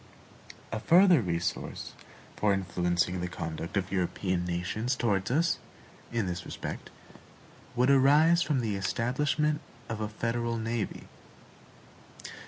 A further resource for influencing the conduct of European nations toward us, in this respect, would arise from the establishment of a federal navy.